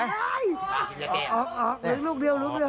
อ๋อนี่ลูกเดียว